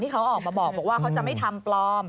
เขาออกมาบอกว่าเขาจะไม่ทำปลอม